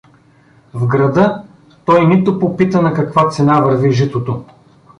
В града той нито попита на каква цена върви житото.